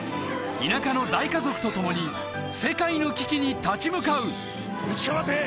田舎の大家族と共に世界の危機に立ち向かうぶちかませ！